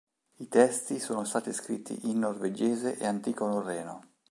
I testi sono stati scritti in norvegese e antico norreno.